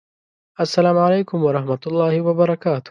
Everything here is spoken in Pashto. السلام علیکم ورحمة الله وبرکاته